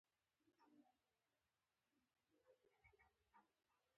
دغو څېړونکو د کوپان رامنځته کېدا او سقوط په نقشه کښلي